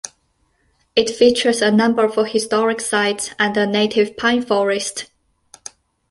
It features a number of historic sites and a native pine forest.